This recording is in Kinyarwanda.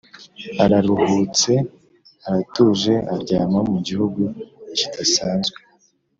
araruhutse, aratuje, aryama mu gihugu kidasanzwe